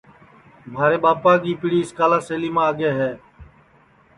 مھارے ٻاپا کی پِڑی اِسکا سیلیما آگے ہے